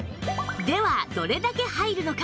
ではどれだけ入るのか？